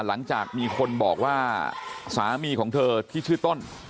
หลังจากมีคนบอกว่าสามีของเธอที่ชื่อต้น